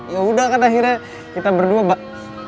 yaudah kan akhirnya kita berdua bak